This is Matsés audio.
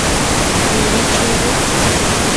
Mibi chuinu